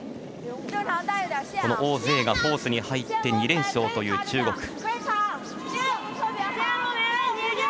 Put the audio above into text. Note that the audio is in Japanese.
王ぜいがフォースに入って２連勝という中国。